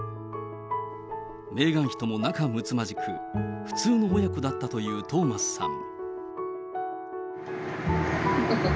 メーガン妃とも仲睦まじく、普通の親子だったというトーマスさん。